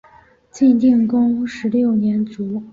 晋定公三十六年卒。